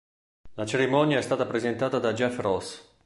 La cerimonia è stata presentata da Jeff Ross.